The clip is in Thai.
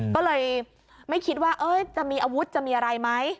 ก็เลยไม่คิดว่าจะมีอาวุธจะมีอะไรไหม